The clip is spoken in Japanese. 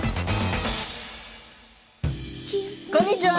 こんにちは。